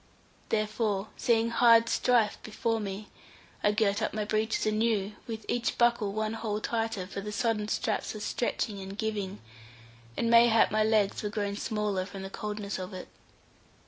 Therefore, seeing hard strife before me, I girt up my breeches anew, with each buckle one hole tighter, for the sodden straps were stretching and giving, and mayhap my legs were grown smaller from the coldness of it.